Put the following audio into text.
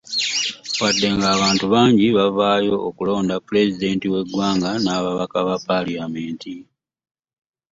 Wadde nga abantu bangi baavaayo okulonda pulezidenti w'eggwanga n'ababaka ba palamenti